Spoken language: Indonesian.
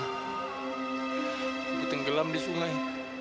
ibu tenggelam di sungai